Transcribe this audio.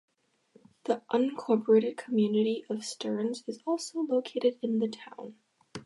The unincorporated community of Stearns is also located in the town.